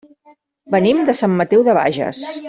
Venim de Sant Mateu de Bages.